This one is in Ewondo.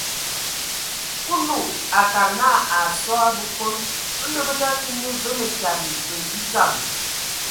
Kulu a akad naa, a asɔ a Bǝkon, ndɔ bə kə nye və mǝkyǝbe we e dzam.